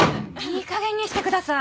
いいかげんにしてください。